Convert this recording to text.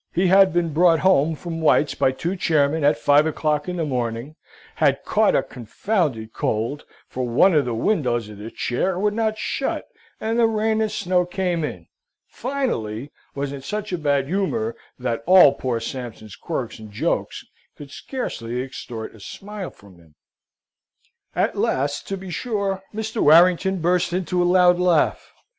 He had been brought home from White's by two chairmen at five o'clock in the morning; had caught a confounded cold, for one of the windows of the chair would not shut, and the rain and snow came in, finally, was in such a bad humour, that all poor Sampson's quirks and jokes could scarcely extort a smile from him. At last, to be sure, Mr. Warrington burst into a loud laugh.